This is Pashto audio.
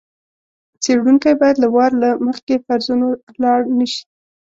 څېړونکی باید له وار له مخکې فرضونو لاړ نه شي.